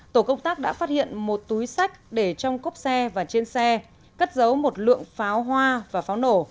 tổ công tác đã phát hiện một túi sách để trong cốp xe và trên xe cất dấu một lượng pháo hoa và pháo nổ